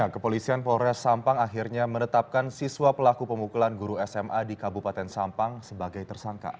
kepolisian polres sampang akhirnya menetapkan siswa pelaku pemukulan guru sma di kabupaten sampang sebagai tersangka